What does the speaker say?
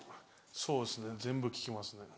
そうですね全部聴きますね。